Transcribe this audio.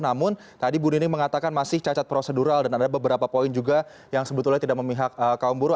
namun tadi bu nini mengatakan masih cacat prosedural dan ada beberapa poin juga yang sebetulnya tidak memihak kaum buruh